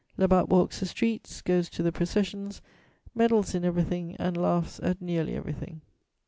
Labat walks the streets, goes to the processions, meddles in everything and laughs at nearly everything.